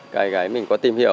cái gáy mình có tìm hiểu